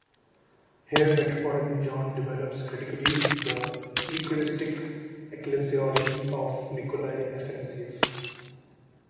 Here Metropolitan John develops critically the eucharistic ecclesiology of Nikolai Afanassief.